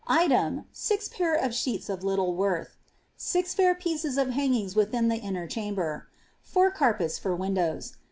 Item, 6 pair of sheets of little worth. 6 fair pieces of hangings withio die inner chamber. 4 carpets for windows.